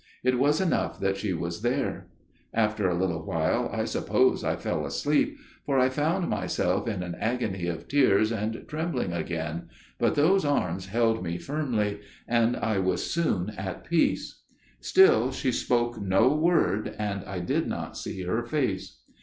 It was enough that she was there. After a little while I suppose I fell asleep, for I found myself in an agony of tears and trembling again, but those arms held me firmly, and I was soon at peace; still she spoke no word, and I did not see her face.